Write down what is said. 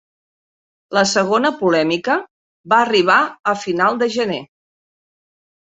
La segona polèmica va arribar a final de gener.